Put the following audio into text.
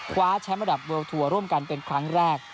คว้าแชมป์ระดับเลิลทัวร์ร่วมกันเป็นครั้งแรก